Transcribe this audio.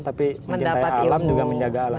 tapi mencintai alam juga menjaga alam